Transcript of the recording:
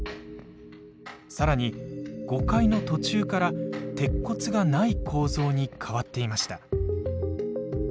更に５階の途中から鉄骨がない構造に変わっていました。